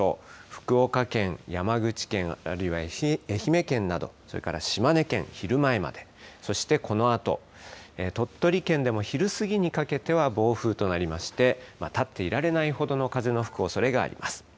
福岡県、山口県、あるいは愛媛県など、それから島根県、昼前まで、そしてこのあと、鳥取県でも昼過ぎにかけては暴風となりまして、立っていられないほどの風の吹くおそれがあります。